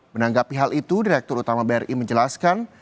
menanggapi hal itu direktur utama bri menjelaskan